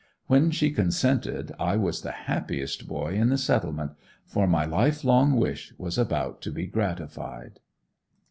When she consented I was the happiest boy in the "Settlement," for my life long wish was about to be gratified.